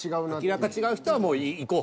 明らか違う人はもういこう。